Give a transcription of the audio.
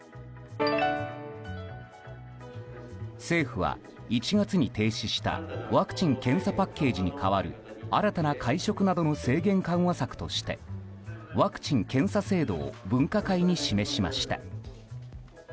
政府は１月に停止したワクチン・検査パッケージに代わる新たな会食などの制限緩和策としてワクチン／検査制度を分科会に示しました。